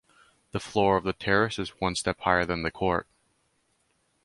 The floor of the terrace is one step higher than the court.